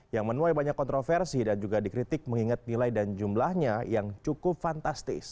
yang menuai banyak kontroversi dan juga dikritik mengingat nilai dan jumlahnya yang cukup fantastis